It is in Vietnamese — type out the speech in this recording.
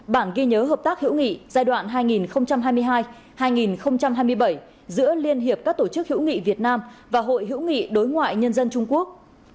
bản ghi nhớ hợp tác hữu nghị giai đoạn hai nghìn hai mươi hai hai nghìn hai mươi bảy giữa liên hiệp các tổ chức hữu nghị việt nam và hội hữu nghị đối ngoại nhân dân trung quốc